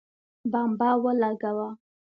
بمبه ولګوه